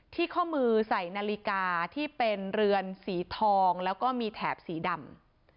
ข้อมือใส่นาฬิกาที่เป็นเรือนสีทองแล้วก็มีแถบสีดำ